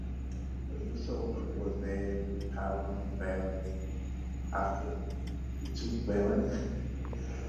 The new settlement was named Padang Balang after Datuk Balang.